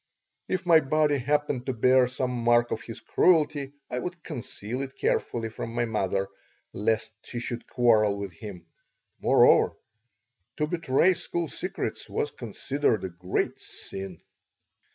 If my body happened to bear some mark of his cruelty I would conceal it carefully from my mother, lest she should quarrel with him. Moreover, to betray school secrets was considered a great "sin."